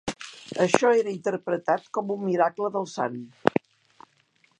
Això era interpretat com un miracle del sant.